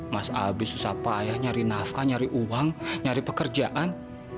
mas abi susah payah nyari nafkah nyari uang nyari pekerjaan